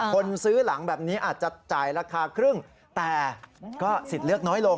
คนซื้อหลังแบบนี้อาจจะจ่ายราคาครึ่งแต่ก็สิทธิ์เลือกน้อยลง